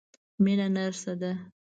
مينه نرسه ده.